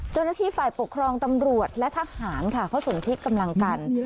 เจ้าหน้าที่ฝ่ายปกครองตำรวจและทหารค่ะเขาสนทิกำลังกัน